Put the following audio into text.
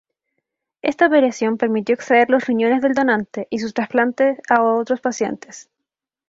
Esta operación permitió extraer los riñones del donante y su trasplante a otros pacientes.